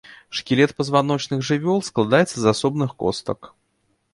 Шкілет пазваночных жывёл складаецца з асобных костак.